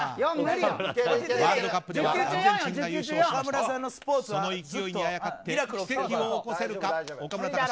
ワールドカップではアルゼンチンが優勝しましたがその勢いにあやかって奇跡を起こせるか岡村隆史